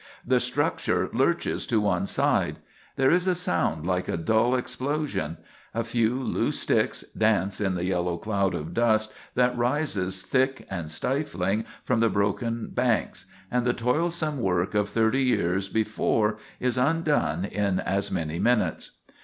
The structure lurches to one side; there is a sound like a dull explosion; a few loose sticks dance in the yellow cloud of dust that rises thick and stifling from the broken banks, and the toilsome work of thirty years before is undone in as many minutes.